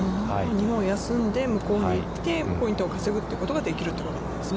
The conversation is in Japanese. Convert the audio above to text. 日本休んで向こうに行ってポイントを稼ぐということができるということなんですね。